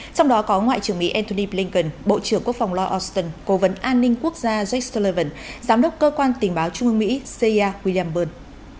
trong đó có ngoại trưởng mỹ antony blinken bộ trưởng quốc phòng law austin cố vấn an ninh quốc gia jake sullivan giám đốc cơ quan tình báo trung ương mỹ c a william byrne